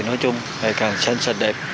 nói chung ngày càng xanh xanh đẹp